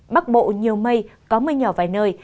bắc bộ nhiều mây có mưa nhỏ vài nơi